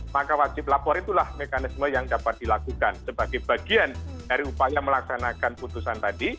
maka wajib lapor itulah mekanisme yang dapat dilakukan sebagai bagian dari upaya melaksanakan putusan tadi